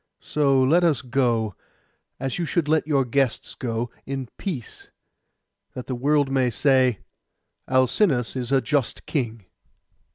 So let us go, as you should let your guests go, in peace; that the world may say, "Alcinous is a just king."